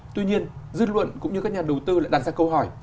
tuy nhiên dư luận cũng như các nhà đầu tư lại đặt ra câu hỏi